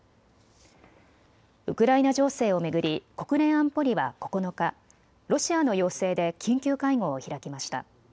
ウクライナ情勢を巡り国連安保理は９日、ロシアの要請で緊急会合を開きました。